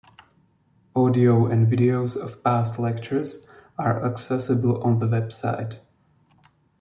Audio and videos of past lectures are accessible on the web site.